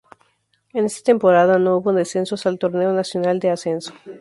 En esta temporada no hubo descensos al Torneo Nacional de Ascenso.